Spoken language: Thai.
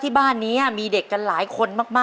ขอเชิญแสงเดือนมาต่อชีวิตเป็นคนต่อไปครับ